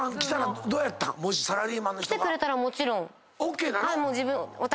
来てくれたらもちろん。